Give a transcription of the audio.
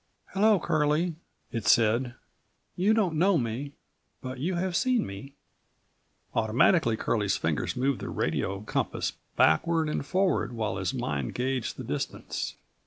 "Hello, Curlie," it said. "You don't know me, but you have seen me—" Automatically Curlie's fingers moved the radio compass backward and forward while his37 mind gauged the distance.